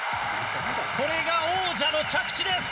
これが王者の着地です。